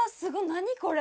何これ！